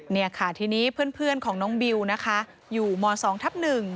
นี่ค่ะทีนี้เพื่อนของน้องบิวนะคะอยู่ม๒ทับ๑